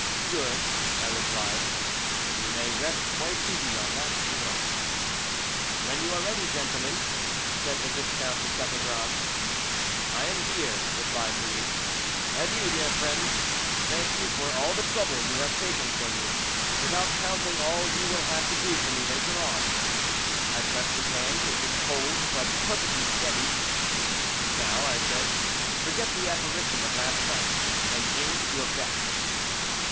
"Good," I replied, "you may rest quite easy on that score." "When you are ready, gentlemen," said the Viscount de Chateaugrand. "I am here," replied Louis. "Adieu, dear friend! thank you for all the trouble you have taken for me, without counting all you will have to do for me later on." I pressed his hand. It was cold, but perfectly steady. "Now," I said, "forget the apparition of last night, and aim your best."